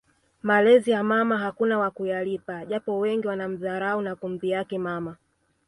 Malezi ya mama hakuna wa kuyalipa japo wengi wanamdharau na kumdhihaki mama